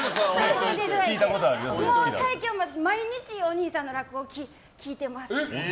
最近は毎日お兄さんの落語を聴いてます。